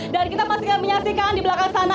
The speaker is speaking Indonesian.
dan kita masih akan menyaksikan di belakang sana